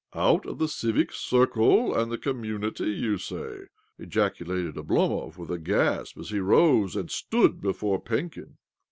" Out of ' the civic circle and the com munity,' you say? " ejaculated Oblomov with KJDl^KJi\LKJV 41 a gasp as he rose and stood before Penkin.